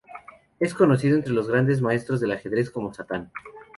Es conocido entre los Grandes Maestros de Ajedrez como 'Satán'.